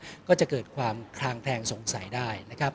ก็ต้องทำอย่างที่บอกว่าช่องคุณวิชากำลังทำอยู่นั่นนะครับ